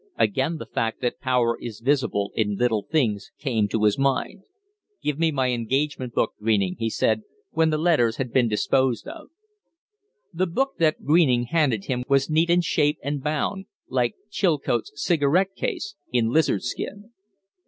Again the fact that power is visible in little things came to his mind. "Give me my engagement book, Greening," he said, when the letters had been disposed of. The book that Greening handed him was neat in shape and bound, like Chilcote's cigarette case, in lizard skin.